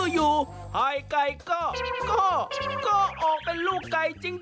อยู่ไข่ไก่ก็ออกเป็นลูกไก่จริง